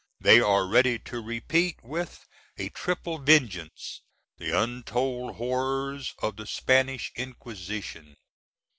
they are ready to repeat with a triple vengeance the untold horrors of the Spanish Inquisition?